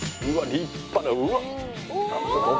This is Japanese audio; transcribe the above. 立派なうわっ！